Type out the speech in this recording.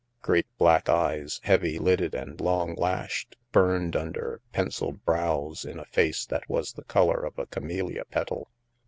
Great black eyes, heavy lidded and long lashed, burned under pen ciled brows in a face that was the color of a camelia petal.